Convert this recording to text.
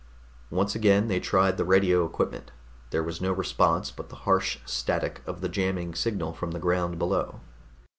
Once again they tried the radio equipment. There was no response but the harsh static of the jamming signal from the ground below.